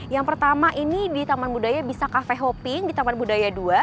yang pertama ini di taman budaya bisa cafe hopping di taman budaya dua